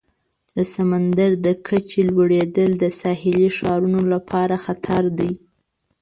د سمندر د کچې لوړیدل د ساحلي ښارونو لپاره خطر دی.